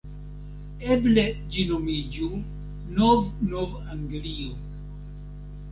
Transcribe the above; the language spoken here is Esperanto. Eble ĝi nomiĝu Nov-Nov-Anglio.